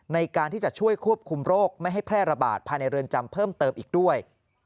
ในการที่จะช่วยควบคุมโรคไม่ให้แพร่ระบาดภายในเรือนจำเพิ่มเติมอีกด้วย